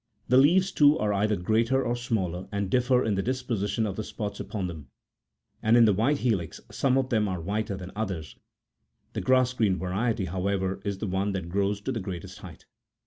The leaves, too, are either greater or smaller and differ in the disposition of the spots upon them, and in the white helix some of them are whiter than others : the grass green variety, however, is the one that grows to the greatest height.